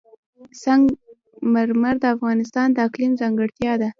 سنگ مرمر د افغانستان د اقلیم ځانګړتیا ده.